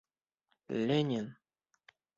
Ленин!